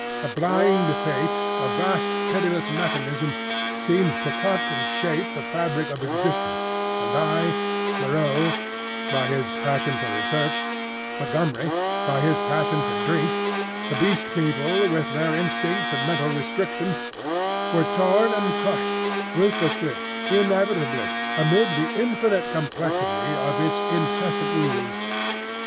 A blind Fate, a vast pitiless mechanism, seemed to cut and shape the fabric of existence and I, Moreau (by his passion for research), Montgomery (by his passion for drink), the Beast People with their instincts and mental restrictions, were torn and crushed, ruthlessly, inevitably, amid the infinite complexity of its incessant wheels.